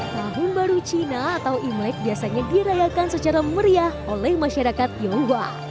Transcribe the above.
tahun baru cina atau imlek biasanya dirayakan secara meriah oleh masyarakat tionghoa